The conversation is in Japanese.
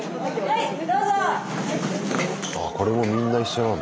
あこれもみんな一緒なんだ。え？